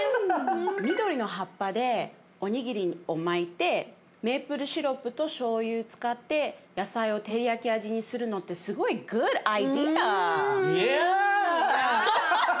緑の葉っぱでおにぎりを巻いてメイプルシロップとしょうゆ使って野菜を照り焼き味にするのってすごいＹｅａｈ！